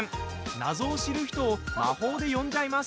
謎を知る人を魔法で呼んじゃいます！